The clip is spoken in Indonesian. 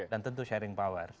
dan tentu sharing power